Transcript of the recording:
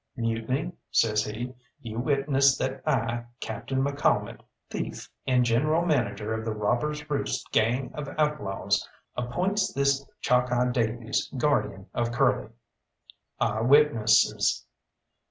"Mutiny," says he, "you witness that I, Captain McCalmont, thief, and general manager of the Robbers' Roost gang of outlaws, appoints this Chalkeye Davies guardian of Curly." "I witnesses."